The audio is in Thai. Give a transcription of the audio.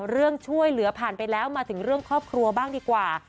ช่วยเหลือผ่านไปแล้วมาถึงเรื่องครอบครัวบ้างดีกว่า